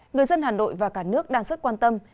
người dân hà nội và cả nước đang rất quan tâm